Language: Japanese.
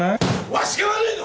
わしが悪いの？